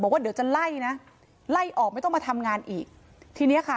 บอกว่าเดี๋ยวจะไล่นะไล่ออกไม่ต้องมาทำงานอีกทีเนี้ยค่ะ